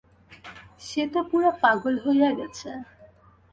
সে তো পুরা পাগল হইয়া গেছে।